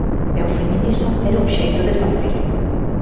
E o feminismo era un xeito de facelo.